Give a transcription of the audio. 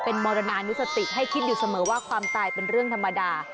เป็นมรณานุสติให้คิดอยู่เสมอว่าความตายเป็นเรื่องธรรมดา